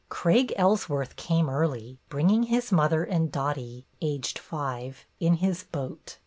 Craig Ellsworth came early, bringing his mother and Dottie (aged five) in his boat.